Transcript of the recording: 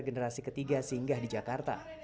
generasi ketiga singgah di jakarta